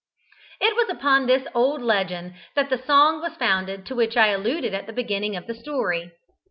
It was upon this old legend that the song was founded to which I alluded at the beginning of the story.